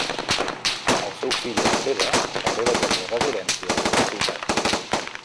El seu fill Esteve també va tenir residència a la ciutat.